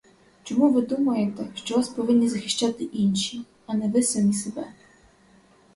Чому ви думаєте, що вас повинні захищати інші, а не ви самі себе?